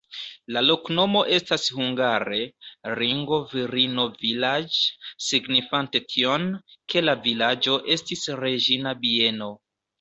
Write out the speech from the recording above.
La loknomo estas hungare: ringo-virino-vilaĝ', signifante tion, ke la vilaĝo estis reĝina bieno.